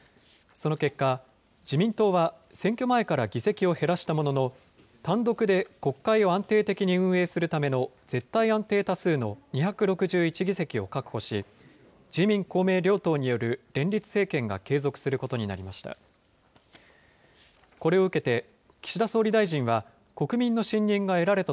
その結果、自民党は選挙前から議席を減らしたものの、単独で国会を安定的に運営するための絶対安定多数の２６１議席を確保し、自民、公明両党による連立政権が継続することになりました。